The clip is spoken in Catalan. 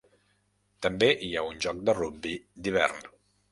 També hi ha un joc de rugbi d'hivern.